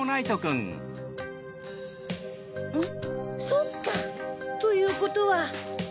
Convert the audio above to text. そっか！ということは。